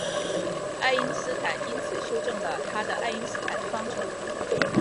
爱因斯坦因此修正了他的爱因斯坦方程。